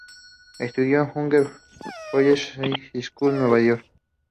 Estudió en el Hunter College High School de Nueva York.